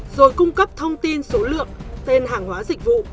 rồi cung cấp thông tin số lượng tên hàng hóa dịch vụ